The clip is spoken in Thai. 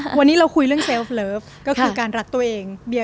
ไรวันนี้เราคุยเรื่องก็คือการรักตัวเองเบีย